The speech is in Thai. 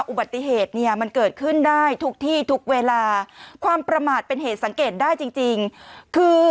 อุบัติเหตุเนี่ยมันเกิดขึ้นได้ทุกที่ทุกเวลาความประมาทเป็นเหตุสังเกตได้จริงจริงคือ